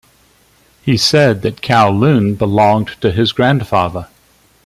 He said that Kowloon belonged to his grandfather.